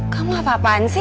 kamu apa apaan sih